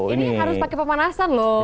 ini harus pakai pemanasan loh